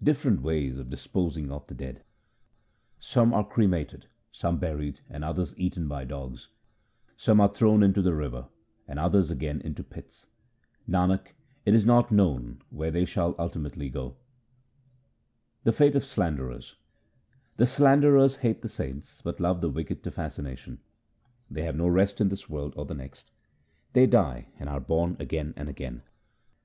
Different ways of disposing of the dead :— Some are cremated, some buried, and others eaten by dogs; Some are thrown into the river and others again into pits : Nanak, it is not known where they shall ultimately go. 1 Spiritual sovereignty is of course meant. HYMNS OF GURU AMAR DAS 223 The fate of slanderers :— The slanderers hate the saints, but love the wicked to fascination. They have no rest in this world or the next ; they die and are born again and again.